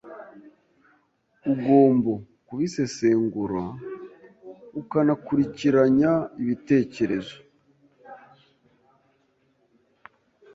ugombo, kubisesengura, ukanakurikiranya ibitekerezo.